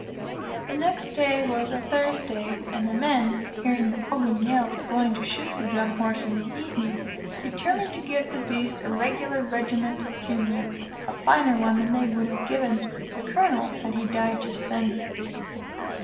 The next day was a Thursday, and the men, hearing that Yale was going to shoot the Drum Horse in the evening, determined to give the beast a regular regimental funeral a finer one than they would have given the Colonel had he died just then.